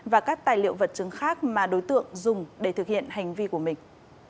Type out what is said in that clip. và các tài liệu vật chứng khác mà đối tượng dùng để thực hiện hành vi của mình